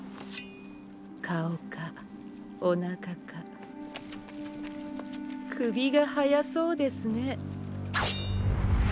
顔かお腹か首が早そうですね。